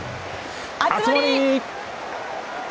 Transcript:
熱盛！